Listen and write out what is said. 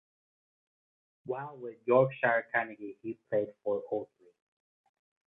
While with Yorkshire Carnegie he played for Otley.